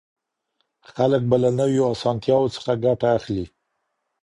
خلګ به له نويو اسانتياوو څخه ګټه اخلي.